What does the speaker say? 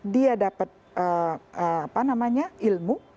dia dapat ilmu